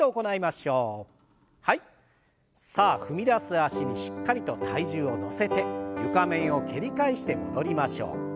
脚にしっかりと体重を乗せて床面を蹴り返して戻りましょう。